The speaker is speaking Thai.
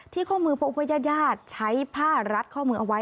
ข้อมือพบว่าญาติใช้ผ้ารัดข้อมือเอาไว้